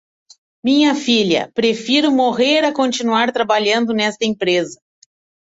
Minha filha, prefiro morrer a continuar trabalhando nesta empresa